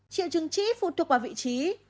triệu chứng trí phụ thuộc vào vị trí